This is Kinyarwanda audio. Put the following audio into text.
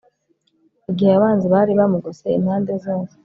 igihe abanzi bari bamugose impande zose